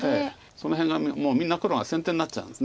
その辺がもうみんな黒が先手になっちゃうんです。